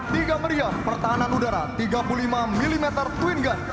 tiga meriam pertahanan udara tiga puluh lima mm twin gun